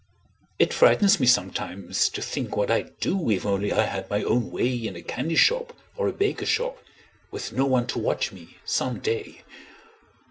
It frightens me sometimes, to think what I'd do, If only I had my own way In a candy shop or a baker shop, Witn no one to watch me, some day.